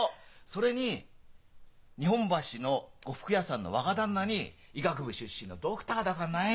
それに日本橋の呉服屋さんの若旦那に医学部出身のドクターだかんない。